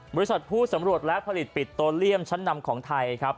บริษัทผู้สำรวจและผลิตปิโตเลียมชั้นนำของไทยครับ